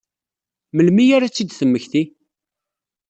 Melmi ara ad tt-id-temmekti?